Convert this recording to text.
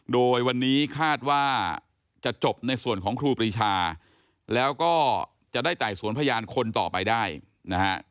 โดยวันนี้คาดว่าจะจบในส่วนของครูปรีชาแล้วก็จะได้ไต่สวนพยานคนต่อไปได้นะฮะ